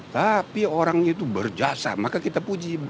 tapi orangnya itu berjasa maka kita puji